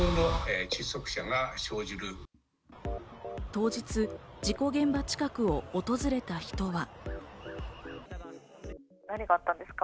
当日、事故現場近くを訪れた人は。